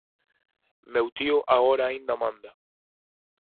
Meu tío agora aínda manda.